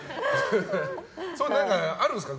何かあるんですか？